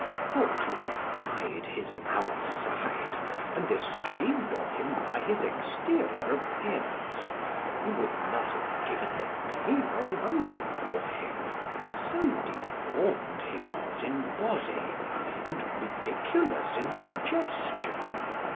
For to have eyed his outside, and esteemed of him by his exterior appearance, you would not have given the peel of an onion for him, so deformed he was in body, and ridiculous in his gesture.